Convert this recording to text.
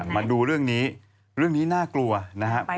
มาดูเรื่องนี้เรื่องนี้น่ากลัวนะครับ